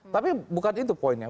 tapi bukan itu poinnya